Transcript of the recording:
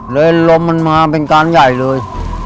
ลมมันมาเป็นการใหญ่เลย